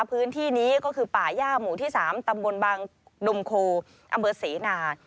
พื้นที่นี้ก็คือป่าย่าหมู่ที่๓ตำบลบางดมโคอำเภอเสนา